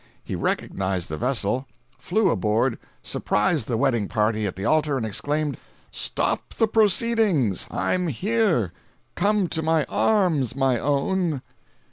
He recognized the vessel, flew aboard, surprised the wedding party at the altar and exclaimed: "Stop the proceedings—I'm here! Come to my arms, my own!"